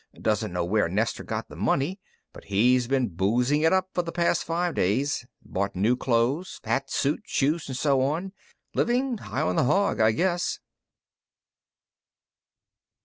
Doesn't know where Nestor got the money, but he's been boozing it up for the past five days. Bought new clothes hat, suit, shoes, and so on. Living high on the hog, I guess."